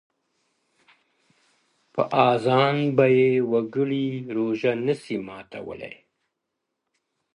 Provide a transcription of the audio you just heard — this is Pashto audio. • په اذان به یې وګړي روژه نه سي ماتولای -